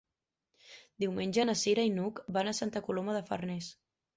Diumenge na Cira i n'Hug van a Santa Coloma de Farners.